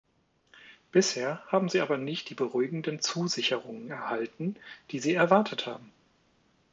Bisher haben sie aber nicht die beruhigenden Zusicherungen erhalten, die sie erwartet haben.